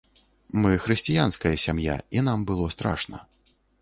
Мы хрысціянская сям'я, і нам было страшна.